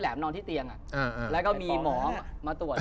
แหลมนอนที่เป็นอีกตัว